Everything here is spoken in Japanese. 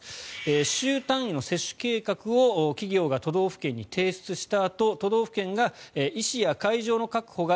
週単位の接種計画を企業が都道府県に提出したあと、都道府県が医師や会場の確保が